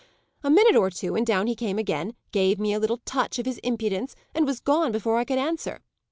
A minute or two, and down he came again, gave me a little touch of his impudence, and was gone before I could answer.